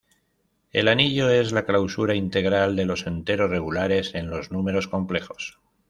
El anillo es la clausura integral de los enteros regulares en los números complejos.